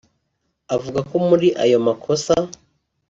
Avuga ko muri ayo makosa